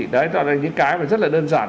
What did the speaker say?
đó là những cái rất là đơn giản